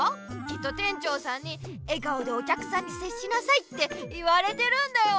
きっと店長さんに「笑顔でおきゃくさんにせっしなさい」って言われてるんだよ。